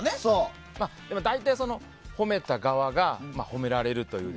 大体、褒めた側が褒められるという。